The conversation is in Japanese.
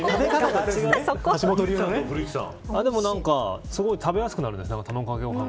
でもなんか、すごい食べやすくなりますね